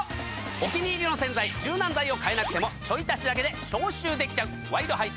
お気に入りの洗剤柔軟剤を変えなくてもちょい足しだけで消臭できちゃう。